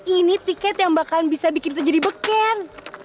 ini tiket yang bakalan bisa bikin kita jadi beker